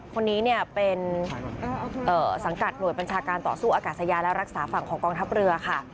คนนี้เนี่ยเป็นสังกัดหน่วยบัญชาการต่อสู้อากาศยาและรักษาฝั่งของกองทัพเรือค่ะ